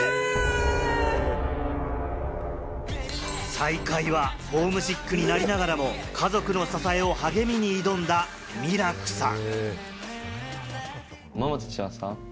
最下位は、ホームシックになりながらも、家族の支えを励みに挑んだミラクさん。